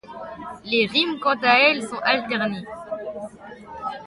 Les rimes, quant à elles, sont alternées.